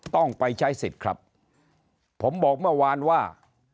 ต้องไปใช้สิทธิ์ครับผมบอกเมื่อวานว่า